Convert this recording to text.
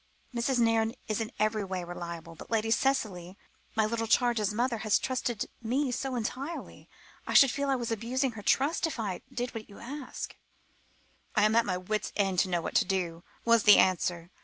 "Mrs. Nairne is in every way reliable, but Lady Cicely, my little charge's mother, has trusted me so entirely, I should feel I was abusing her trust if I did what you ask." "I am at my wits' end to know what to do," was the answer.